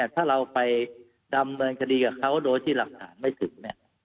ถ้าเราไปดำเนินคดีกับเขาโดยที่หลักฐานไม่ถึง